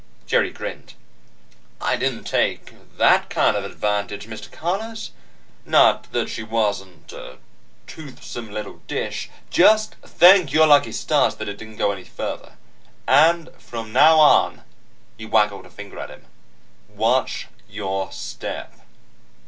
Jerry grinned. "I didn't take that kind of advantage, Mr. Conners. Not that she wasn't a toothsome little dish ..." "Just thank your lucky stars that it didn't go any further. And from now on " He waggled a finger at him. "Watch your step."